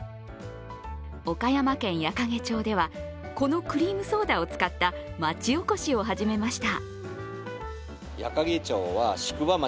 岡山県矢掛町ではこのクリームソーダを使った町おこしを始めました。